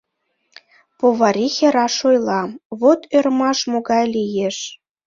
Поварихе раш ойла, Вот ӧрмаш могай лиеш: